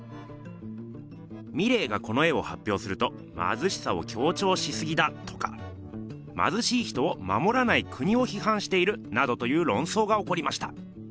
ミレーがこの絵をはっぴょうすると「まずしさをきょうちょうしすぎだ」とか「まずしい人をまもらない国をひはんしている」などというろんそうがおこりました。